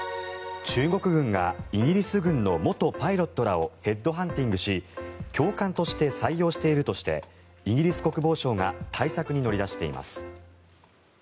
中国軍がイギリス軍の元パイロットらをヘッドハンティングし教官として採用しているとしてイギリス国防省が対策に乗り出しています。